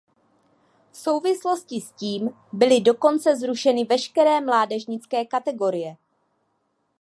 V souvislosti s tím byly dokonce zrušeny veškeré mládežnické kategorie.